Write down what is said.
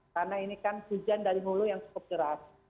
karena ini kan hujan dari hulu yang cukup keras